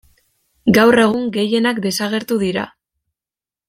Gaur egun gehienak desagertu dira.